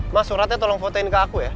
mas suratnya tolong fotoin ke aku ya